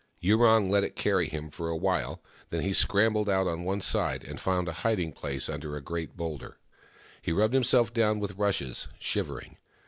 Yurong let it carry him for awhile ; then he scrambled out on one side, and found a hiding place under a great boulder. He rubbed himself down with rushes, shivering.